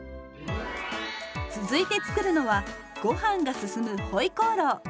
続いて作るのはごはんが進む「ホイコーロー」。